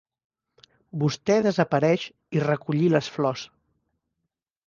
Vostè desapareix i recollir les flors.